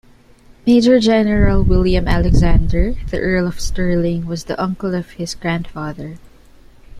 Major General William Alexander, the Earl of Stirling, was the uncle of his grandfather.